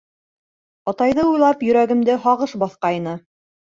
Атайҙы уйлап, йөрәгемде һағыш баҫҡайны.